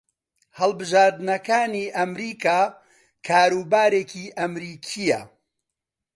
هەڵبژارنەکانی ئەمریکا کاروبارێکی ئەمریکییە